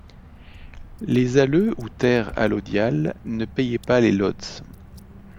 Les alleux ou terres allodiales ne payaient pas les lods.